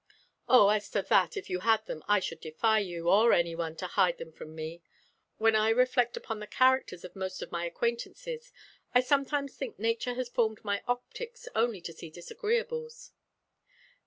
"Oh, as to that, if you had them, I should defy you, or anyone, to hide them from me. When I reflect upon the characters of most of my acquaintances, I sometimes think nature has formed my optics only to see disagreeables."